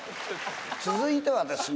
続いてはですね。